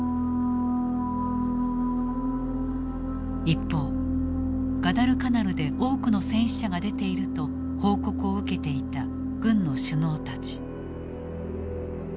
一方ガダルカナルで多くの戦死者が出ていると報告を受けていた軍の首脳たち。